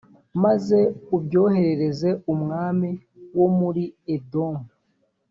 maze ubyoherereze umwami wo muri edomu